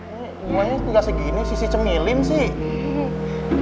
eh bunganya nggak segini sisi cemilin sih